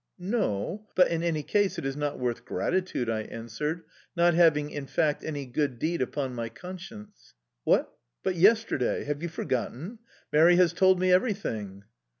"No; but in any case it is not worth gratitude," I answered, not having, in fact, any good deed upon my conscience. "What? But yesterday! Have you forgotten?... Mary has told me everything"...